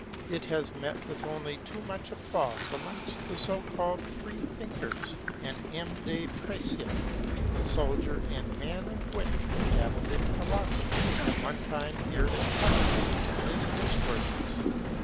It has met with only too much applause amongst the so called freethinkers, and M. de Preissac, a soldier and man of wit, who dabbled in philosophy, at one time aired it publicly in his discourses.